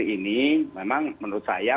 ini memang menurut saya